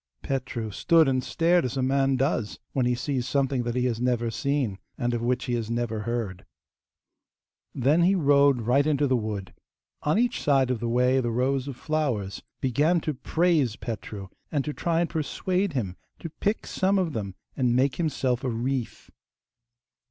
Petru stood and stared as a man does when he sees something that he has never seen, and of which he has never heard. Then he rode right into the wood. On each side of the way the rows of flowers began to praise Petru, and to try and persuade him to pick some of them and make himself a wreath.